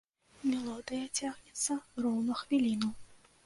Мелодыя цягнецца роўна хвіліну.